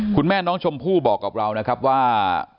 คุณแม่น้องชมพู่บอกกับเรานะครับว่า